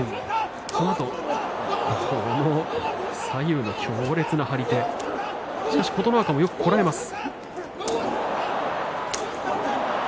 そのあとこの左右の強烈な張り手しかし琴ノ若もよくこらえます。